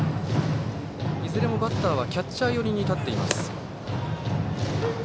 いずれもバッターはキャッチャー寄りに立っています。